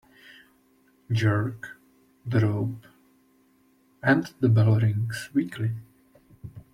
Jerk the rope and the bell rings weakly.